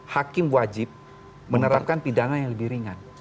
hakim wajib menerapkan pidana yang lebih ringan